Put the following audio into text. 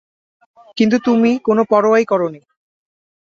কিন্তু তুমি কোন পরোয়াই করোনি।